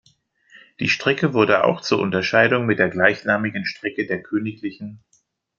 Die Strecke wurde auch zur Unterscheidung mit der gleichnamigen Strecke der Königl.